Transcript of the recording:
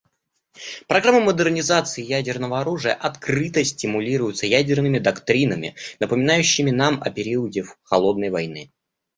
Программы модернизации ядерного оружия открыто стимулируются ядерными доктринами, напоминающими нам о периоде «холодной войны».